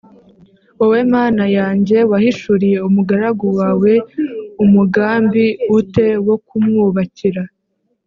wowe Mana yanjye wahishuriye umugaragu wawe umugambi u te wo kumwubakira